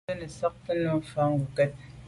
Nzwe nesagte num mfà ngokèt.